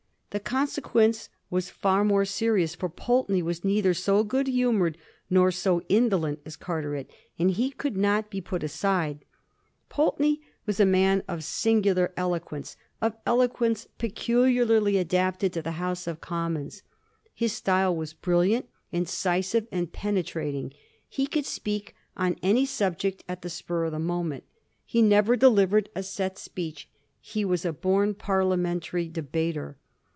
The consequences were far more serious : for Pulteney was neither so good humoured nor so indolent as Carteret, and he could not be put aside. Pulteney was a man of singular eloquence, and Digiti zed by Google 332 A mSTORY OF THE FOUR GEORGES. ch. xvi. of eloquence peculiarly adapted to the House of Commons. His style was brilliant, incisive, and pene trating. He could speak on any subject at the spur of the moment. He never delivered a set speech. He was a bom parliamentary debater.